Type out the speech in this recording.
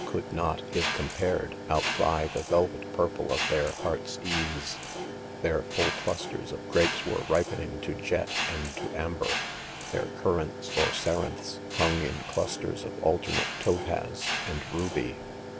could not, if /compared, outvie the velvet purple of "their hearts ease. 4 . Their full clusters of grapes were ripening THE CONFESSIONS* ' 171 to jet and to amber, • Their currants pr"cer iaths ? hung in clusters of alternate topaz and ruby.